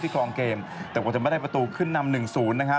คลองเกมแต่ว่าจะไม่ได้ประตูขึ้นนำหนึ่งศูนย์นะฮะ